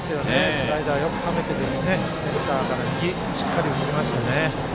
スライダーをよくためて、センターへしっかり送りましたね。